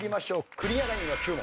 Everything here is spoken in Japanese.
クリアラインは９問。